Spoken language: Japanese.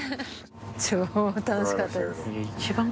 超楽しかったです。